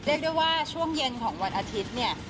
เรียกได้ว่าช่วงเย็นของวันอาทิตย์เนี่ย